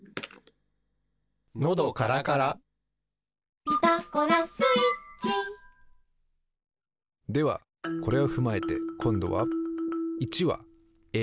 のどからから「ピタゴラスイッチ」ではこれをふまえてこんどは１は「え」